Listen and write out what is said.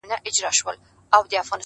• زړه قلا,